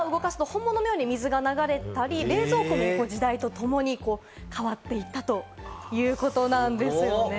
トイレや蛇口などもありまして、レバーを動かすと本物のように水が流れたり、冷蔵庫も時代とともに変わっていったということなんですね。